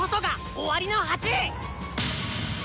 「終わりの鉢」！